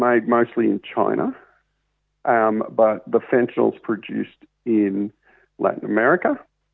melalui sumber yang sama yang memperoleh kokain dari region yang sama